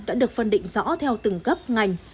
đã được phân định rõ theo từng cấp ngành